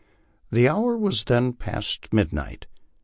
The hour was then past midnight.